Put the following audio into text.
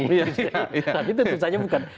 tapi tentu saja bukan